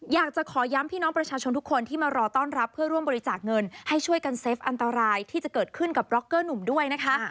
อยากจะขอย้ำพี่น้องประชาชนทุกคนที่มารอต้อนรับเพื่อร่วมบริจาคเงินให้ช่วยกันเซฟอันตรายที่จะเกิดขึ้นกับร็อกเกอร์หนุ่มด้วยนะคะ